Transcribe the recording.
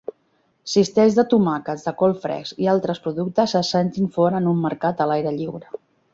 Cistells de tomàquets de col fresc i altres productes es sentin fora en un mercat a l'aire lliure